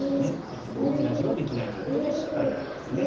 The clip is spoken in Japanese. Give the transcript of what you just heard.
結局大きな地はできないということで失敗になりますね。